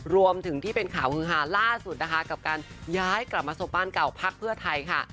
รวมถึงที่เป็นข่าวฮือฮาล่าสุดนะคะกับการย้ายกลับมาส่งบ้านเก่าพักเพื่อไทยค่ะ